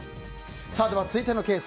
続いてのケース。